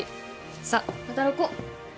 さあ働こう。